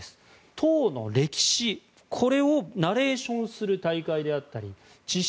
党の歴史をナレーションする大会だったり知識